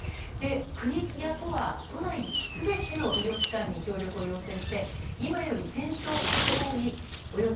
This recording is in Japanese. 国や都は都内全ての医療機関に協力を要請して今より１０００床ほど多いおよそ